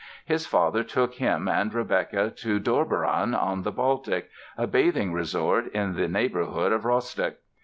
His father took him and Rebecka to Dobberan, on the Baltic, a bathing resort in the neighborhood of Rostock.